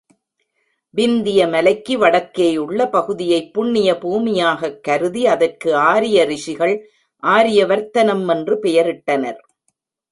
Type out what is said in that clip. விந்திய மலைக்கு வடக்கேயுள்ள பகுதியைப் புண்ணிய பூமியாகக் கருதி, அதற்கு ஆரிய ரிஷிகள் ஆரிய வர்த்தனம் என்று பெயரிட்டனர்.